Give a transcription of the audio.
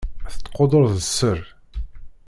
Tettqudur d sser.